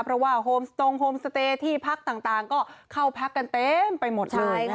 เพราะว่าโฮมสตรงโฮมสเตย์ที่พักต่างก็เข้าพักกันเต็มไปหมดเลย